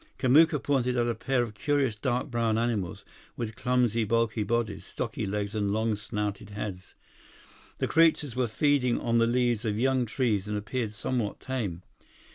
Kamuka pointed out a pair of curious dark brown animals, with clumsy, bulky bodies, stocky legs, and long snouted heads. The creatures were feeding on the leaves of young trees and appeared somewhat tame.